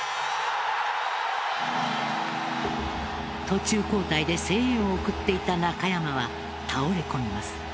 途中交代で声援を送っていた中山は倒れ込みます。